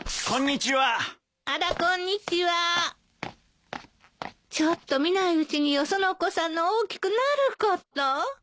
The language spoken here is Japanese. ちょっと見ないうちによそのお子さんの大きくなること。